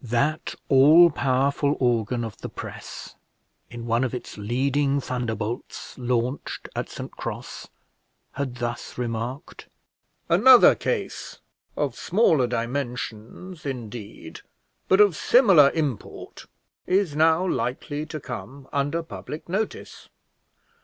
That all powerful organ of the press in one of its leading thunderbolts launched at St Cross, had thus remarked: "Another case, of smaller dimensions indeed, but of similar import, is now likely to come under public notice.